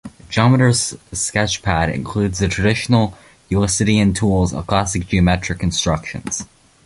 Geometer's Sketchpad includes the traditional Euclidean tools of classical geometric constructions.